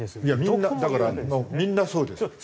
いやみんなだからみんなそうです。